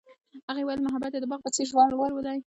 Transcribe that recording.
هغې وویل محبت یې د باغ په څېر ژور دی.